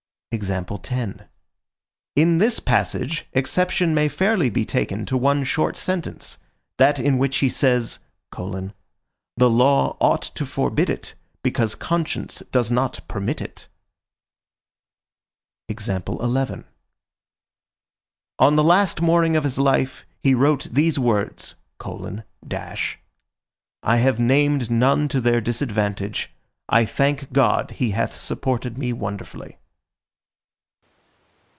In this passage exception may fairly be taken to one short sentence, that in which he says: "The law ought to forbid it, because conscience does not permit it." On the last morning of his life he wrote these words: "I have named none to their disadvantage. I thank God He hath supported me wonderfully."